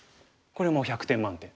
これもう１００点満点。